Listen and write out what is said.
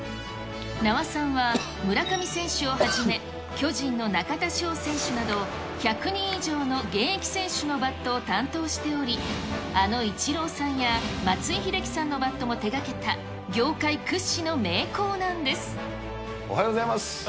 名和さんは村上選手をはじめ、巨人の中田翔選手など、１００人以上の現役選手のバットを担当しており、あのイチローさんや松井秀喜さんのバットも手がけた業界屈指の名おはようございます。